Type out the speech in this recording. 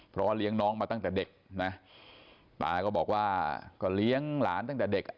เพราะว่าเลี้ยงน้องมาตั้งแต่เด็กนะตาก็บอกว่าก็เลี้ยงหลานตั้งแต่เด็กอ่ะ